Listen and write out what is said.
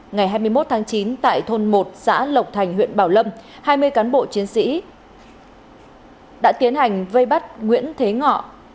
ngày hai mươi một tháng chín tại thôn một xã lộc thành huyện bảo lâm hai mươi cán bộ chiến sĩ đã tiến hành vây bắt nguyễn thế ngọ